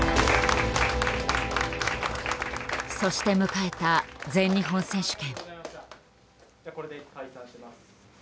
そして迎えた全日本選手権。